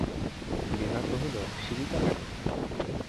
বিভা কহিল, শিবিকা কেন?